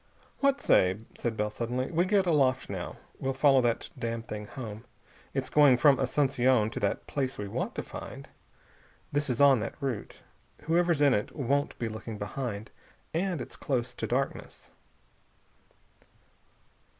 "What say," said Bell suddenly, "we get aloft now? We'll follow that damned thing home. It's going from Asunción to that place we want to find. This is on that route. Whoever's in it won't be looking behind, and it's close to darkness."